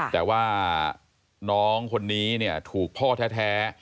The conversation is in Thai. แต่ว่าน้องคนนี้ถูกพ่อแท้